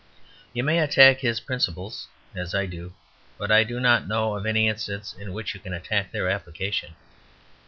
You may attack his principles, as I do; but I do not know of any instance in which you can attack their application.